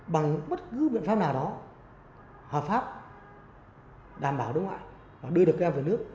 bằng bất cứ biện pháp nào đó hợp pháp đảm bảo nước ngoại đưa được các em về nước